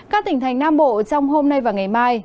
các tỉnh thành nam bộ trong hôm nay và ngày mai